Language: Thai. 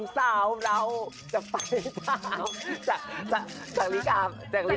จากลิกาบ